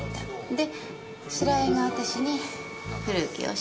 で白井が私に古木を紹介した。